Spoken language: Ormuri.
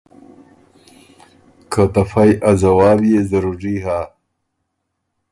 که ته فئ ا ځواب يې ضروري هۀ۔